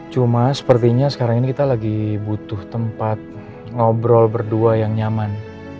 cuma sepertinya sekarang ini kita lagi butuh tempat ngobrol berdua yang nyaman